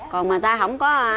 còn người ta không có